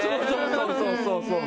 そうそうそうそう！